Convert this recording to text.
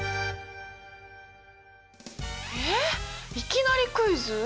えいきなりクイズ？